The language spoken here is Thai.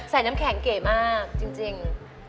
น้ำแข็งเก๋มากจริง